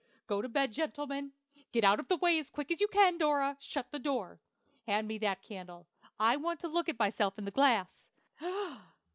Go to bed, gentlemen; get out of the way as quick as you can Dora, shut the door. Hand me that candle; I want to look at myself in the glass.